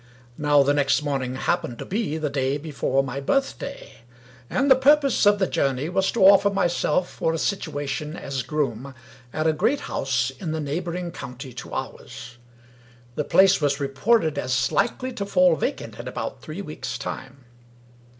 Now the next morning happened to be the day before my birthday ; and the purpose of the journey was to offer myself for a situation as groom at a great house in the neighboring county to ours. The place was reported as likely to fall vacant in about three weeks' time.